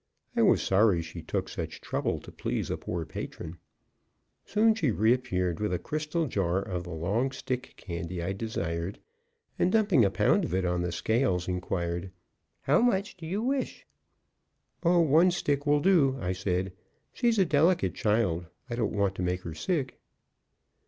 I was sorry she took such trouble to please a poor patron. Soon she reappeared with a crystal jar of the long stick candy I desired, and dumping a pound of it on the scales, inquired, "How much do you wish?" "Oh, one stick will do," I said. "She's a delicate child; I don't want to make her sick."